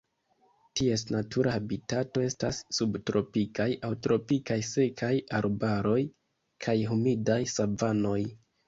Ties natura habitato estas subtropikaj aŭ tropikaj sekaj arbaroj kaj humidaj savanoj.